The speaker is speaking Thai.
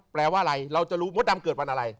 แปลว่าอะไรเราจะรู้มดดำเกิดวันอะไร